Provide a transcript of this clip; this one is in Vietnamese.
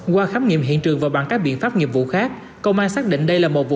qua khám nghiệm hiện trường và bằng các biện pháp nghiệp vụ khác công an xác định đây là một vụ